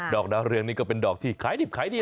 อกดาวเรืองนี่ก็เป็นดอกที่ขายดิบขายดี